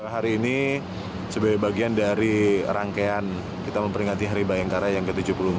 hari ini sebagai bagian dari rangkaian kita memperingati hari bayangkara yang ke tujuh puluh empat